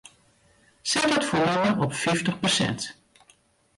Set it folume op fyftich persint.